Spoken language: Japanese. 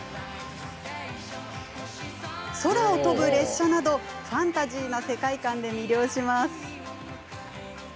空を飛ぶ列車などファンタジーな世界観で魅了します。